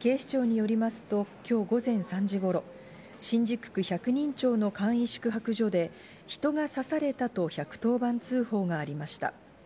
警視庁によりますと今日午前３時頃、新宿区百人町の簡易宿泊所で人が刺されたと１１０番通報がありました。